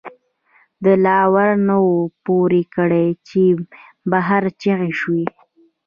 دَ لا ور نه وو پورې کړ، چې بهر چغې شوې